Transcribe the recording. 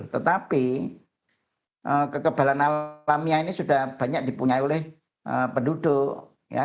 tetapi kekebalan alami ini sudah banyak dipunyai oleh penduduk